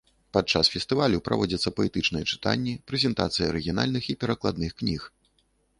Падчас фестывалю праводзяцца паэтычныя чытанні, прэзентацыі арыгінальных і перакладных кніг.